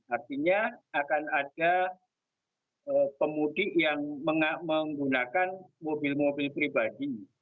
artinya akan ada pemudik yang menggunakan mobil mobil pribadi